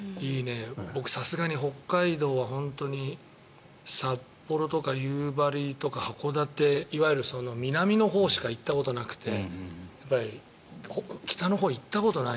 僕、さすがに北海道は札幌とか夕張とか函館いわゆる南のほうしか行ったことがなくて北のほうに行ったことない。